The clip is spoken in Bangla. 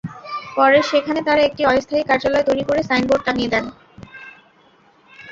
পরে সেখানে তাঁরা একটি অস্থায়ী কার্যালয় তৈরি করে সাইনবোর্ড টানিয়ে দেন।